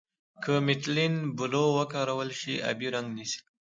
که میتیلین بلو وکارول شي آبي رنګ نیسي.